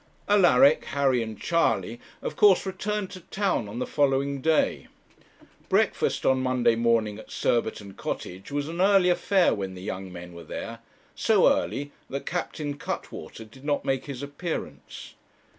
Alaric, Harry, and Charley, of course returned to town on the following day. Breakfast on Monday morning at Surbiton Cottage was an early affair when the young men were there; so early, that Captain Cuttwater did not make his appearance.